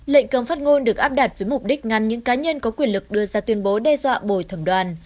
lệnh cấm phát ngôn được áp đặt với mục đích ngăn những cá nhân có quyền lực đưa ra tuyên bố đe dọa bồi thẩm đoàn